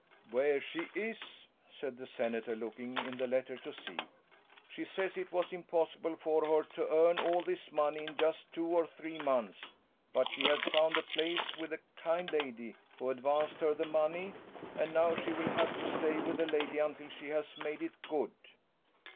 "Where she is?" said the senator, looking in the letter to see. "She says it was impossible for her to earn all this money in just two or three months, but she has found a place with a kind lady, who advanced her the money, and now she will have to stay with the lady until she has made it good."